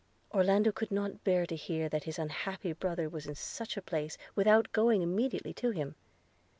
Orlando could not bear to hear that his unhappy brother was in such a place, without going immediately to him.